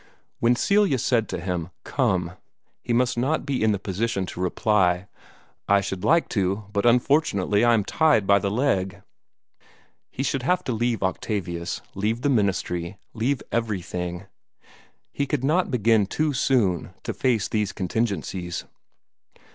When Celia said to him, "Come!" he must not be in the position to reply, "I should like to, but unfortunately I am tied by the leg." He should have to leave Octavius, leave the ministry, leave everything. He could not begin too soon to face these contingencies.